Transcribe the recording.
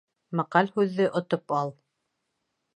Мәҡәл һүҙҙе отоп ал.